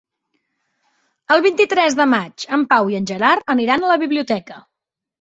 El vint-i-tres de maig en Pau i en Gerard aniran a la biblioteca.